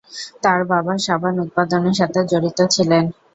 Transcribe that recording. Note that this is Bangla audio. তার বাবা সাবান উৎপাদনের সাথে জড়িত ছিলেন।